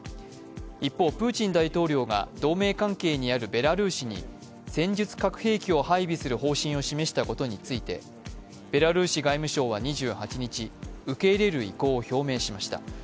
一方、プーチン大統領が同盟関係にあるベラルーシに戦術核兵器を配備する方針を示したことについて、ベラルーシ外務省は２８日、受け入れる意向を表明しました。